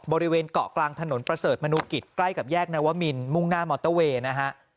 บริเวณเกาะกลางถนนประเสริฐมนุกิจใกล้กับแยกนวมินมุ่งหน้ามอเตอร์เวย์นะฮะ